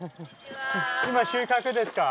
今収穫ですか？